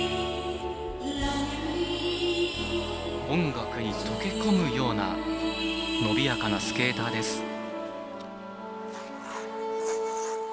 音楽に溶け込むような伸びやかなスケーターです。